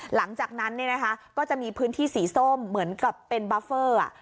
หลังจากนั้นก็จะมีพื้นที่สีส้มเหมือนกับเป็นบัฟเฟอร์